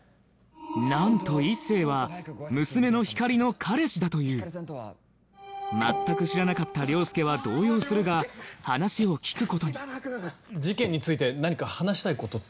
なんと一星は娘の光莉の彼氏だという全く知らなかった凌介は動揺するが話を聞くことに事件について何か話したいことって？